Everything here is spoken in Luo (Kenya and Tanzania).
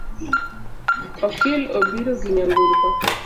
Okil obiro gi nyamburko